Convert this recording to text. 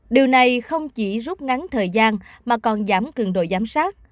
điều này không chỉ rút ngắn thời gian mà còn giảm cường độ giám sát